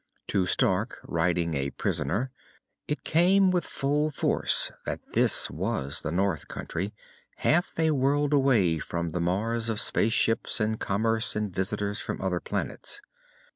To Stark, riding a prisoner, it came with full force that this was the North country, half a world away from the Mars of spaceships and commerce and visitors from other planets.